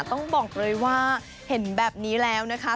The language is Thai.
ต้องบอกเลยว่าเห็นแบบนี้แล้วนะคะ